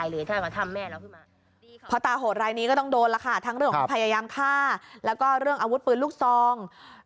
แล้วก็เรื่องอาวุธปืนลูกซอง